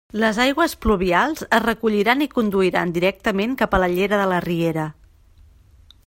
Les aigües pluvials es recolliran i conduiran directament cap a la llera de la riera.